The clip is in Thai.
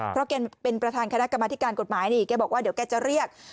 เพราะแกเป็นประธานคณะกรรมธิการกฎหมายนี่แกบอกว่าเดี๋ยวแกจะเรียก